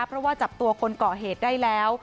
เพราะว่าจับตัวคนก่อเหตุได้แล้ว